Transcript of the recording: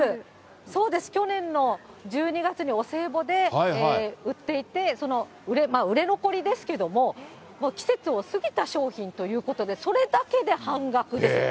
そうです、去年の１２月にお歳暮で売っていて、売れ残りですけども、もう季節を過ぎた商品ということで、それだけで半額です。